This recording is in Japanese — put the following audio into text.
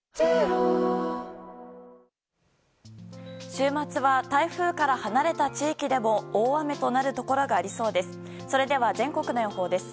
週末は台風から離れた地域でも大雨となるところがありそうです。